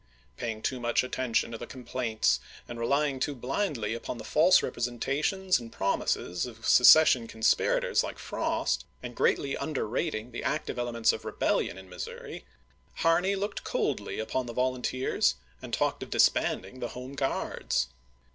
Paying too much attention to the complaints and relying too blindly upon the false representations and prom ises of secession conspirators like Frost, and greatly underrating the active elements of rebellion in Mis souri, Harney looked coldly upon the volunteers and talked of disbanding the Home Gruards.